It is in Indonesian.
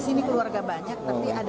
tidak di surabaya